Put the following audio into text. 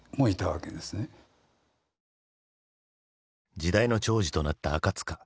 時代のちょうじとなった赤塚。